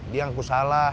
dia ngaku salah